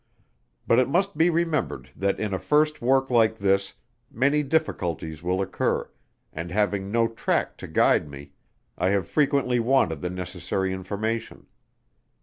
But it must be remembered that in a first Work like this many difficulties will occur, and having no tract to guide me, I have frequently wanted the necessary information.